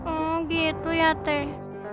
oh gitu ya teh